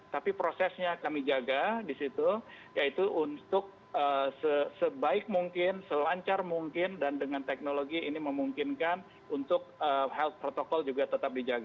tapi prosesnya kami jaga di situ yaitu untuk sebaik mungkin selancar mungkin dan dengan teknologi ini memungkinkan untuk health protocol juga tetap dijaga